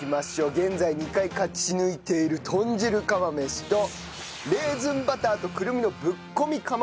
現在２回勝ち抜いている豚汁釜飯とレーズンバターとくるみのぶっこみ釜飯。